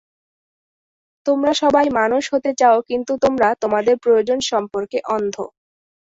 তোমরা সবাই মানুষ হতে চাও কিন্তু তোমরা তোমাদের প্রয়োজন সম্পর্কে অন্ধ!